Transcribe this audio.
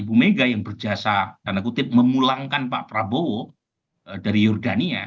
ibu mega yang berjasa tanda kutip memulangkan pak prabowo dari jordania